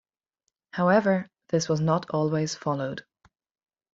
However, this was not always followed.